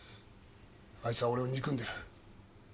あいつは俺を憎んでる。